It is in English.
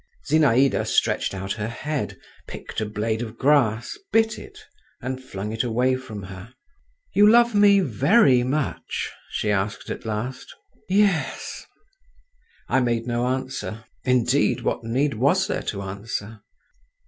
Zinaïda stretched out her head, picked a blade of grass, bit it and flung it away from her. "You love me very much?" she asked at last. "Yes." I made no answer—indeed, what need was there to answer?